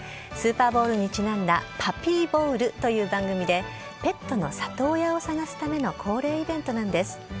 スーパーボウルにちなんだ「パピーボウル」という番組でペットの里親を探すための恒例イベントなんです。